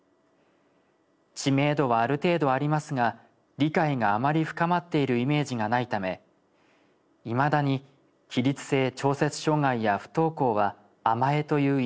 知名度はある程度ありますが理解があまり深まっているイメージがないためいまだに起立性調節障害や不登校は甘えという印象がありがちです。